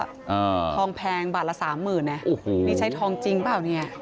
อ่าทองแพงบาทละสามหมื่นอ่ะโอ้โหนี่ใช้ทองจริงเปล่าเนี้ย